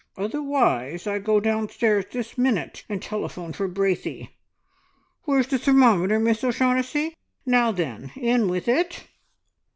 Otherwise I go downstairs this minute and telephone for Braithey. Where's the thermometer, Miss O'Shaughnessy? Now then, in with it!"